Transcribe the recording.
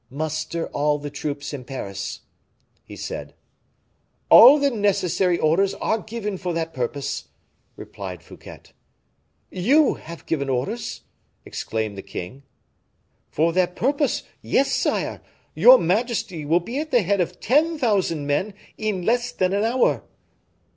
"Muster all the troops in Paris," he said. "All the necessary orders are given for that purpose," replied Fouquet. "You have given orders!" exclaimed the king. "For that purpose, yes, sire; your majesty will be at the head of ten thousand men in less than an hour."